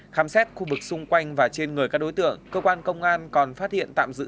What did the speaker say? khám xét khu vực xung quanh và trên người các đối tượng cơ quan công an còn phát hiện tạm giữ